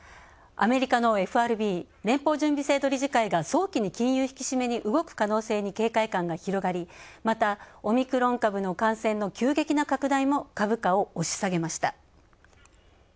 アメリカのＦＲＢ＝連邦準備制度理事会が早期に金融引き締めに動く警戒感が広がり、また、オミクロン株の感染の急激な拡大も株価を押し下げました。